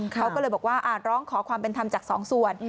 เขาก็เลยบอกว่าร้องขอความเป็นธรรมจากสองส่วน